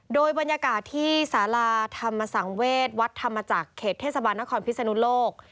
โดยบรรยากาศที่สาราธรรมสังเวศวัดธรรมจักรเขตเทศบาลนครพิศนุโลก